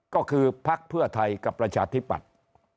ก็คือพักเพื่อไทยกับประชาธิปัตย์